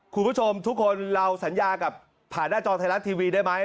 คุณผู้ชมทุกคนเราสัญญากับผ่านหน้าจอไทยรัฐทีวีได้ไหม